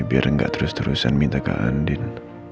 biar gak terus terusan minta kak andin